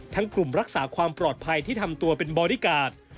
กลุ่มรักษาความปลอดภัยที่ทำตัวเป็นบอดี้การ์ด